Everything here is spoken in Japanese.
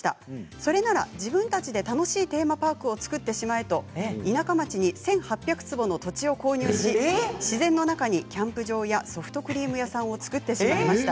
それなら自分たちで楽しいテーマパークを作ってしまえと田舎町に１８００坪の土地を購入し自然の中にキャンプ場やソフトクリーム屋さんを作ってしまいました。